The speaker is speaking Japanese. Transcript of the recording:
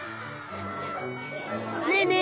ねえねえ